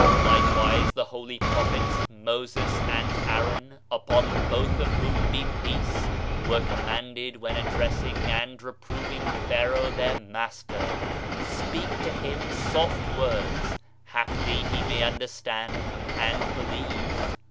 Likewise the holy prophets, Moses and Aaron (upon both of whom be peacel), were commanded when addressing and reproving Pharaoh their master, "Speak to him soft words, haply he may understand and believe.'